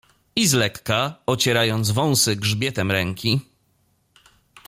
I z lekka, ocierając wąsy grzbietem ręki